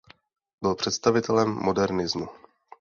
Byl představitelem modernismu.